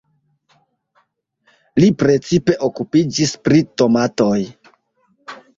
Li precipe okupiĝis pri tomatoj.